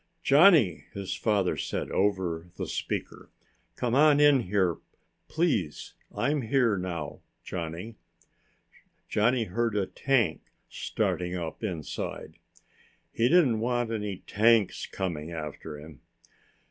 "Johnny," his father said over the speaker. "Come on in here! Please! I'm here now. Johnny!" Johnny heard a tank starting up inside. He didn't want any tanks coming after him.